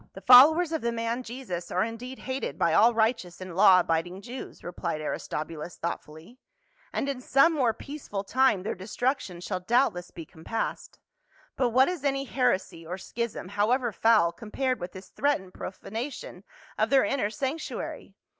" The followers of the man Jesus are indeed hated by all righteous and law abiding Jews," replied Aris tobulus thoughtfully, " and in some more peaceful time their destruction shall doubtless be compassed ; but what is any heresy or schism, however foul, com pared with this threatened profanation of their inner sanctuary